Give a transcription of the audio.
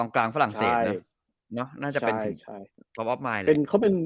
กลางฝรั่งเศสเนอะน่าจะเป็นที่ป๊อปอฟมายเลย